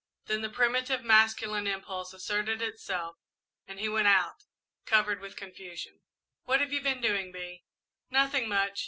Then the primitive masculine impulse asserted itself and he went out, covered with confusion. "What have you been doing, Bee?" "Nothing much.